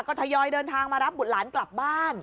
ก็ทยอยเดินทางมารับบุตรหลานกลับบ้าน